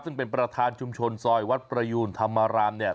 ซึ่งเป็นประธานชุมชนซอยวัดประยูนธรรมรามเนี่ย